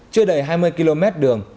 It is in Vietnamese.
chưa đầy hai mươi km đường